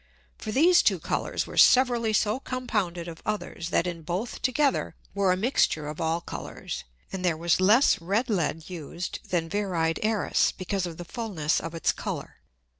For these two Colours were severally so compounded of others, that in both together were a Mixture of all Colours; and there was less red Lead used than Viride Æris, because of the Fulness of its Colour.